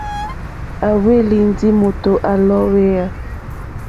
À hwélì ndí mòtò à lɔ̀ɔ́hwèyà.